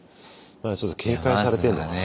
ちょっと警戒されてんのかな？